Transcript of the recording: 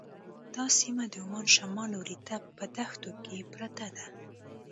دا سیمه د عمان شمال لوري ته په دښتو کې پرته ده.